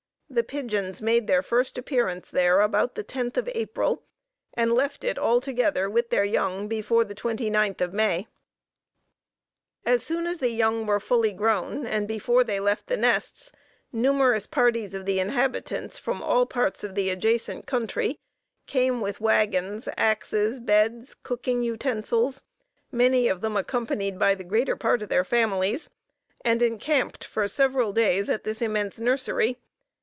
The pigeons made their first appearance there about the 10th of April, and left it altogether, with their young, before the 29th of May. As soon as the young were fully grown, and before they left the nests, numerous parties of the inhabitants from all parts of the adjacent country came with wagons, axes, beds, cooking utensils, many of them accompanied by the greater part of their families, and encamped for several days at this immense nursery.